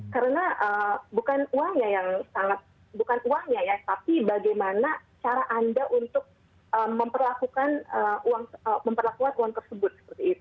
karena bukan uangnya yang sangat bukan uangnya ya tapi bagaimana cara anda untuk memperlakukan uang tersebut